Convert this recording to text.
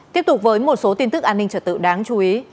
tiếp tục với một số tin tức an ninh trật tự đáng chú ý